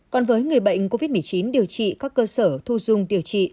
còn với người bệnh covid một mươi chín điều trị các cơ sở thu dung điều trị